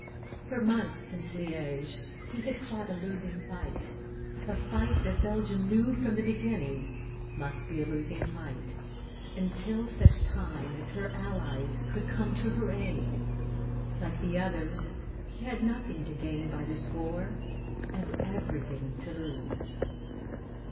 For months since Liège he had fought a losing fight, a fight that Belgium knew from the beginning must be a losing fight, until such time as her allies could come to her aid. Like the others, he had nothing to gain by this war and everything to lose.